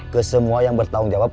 ke semua yang bertanggung jawab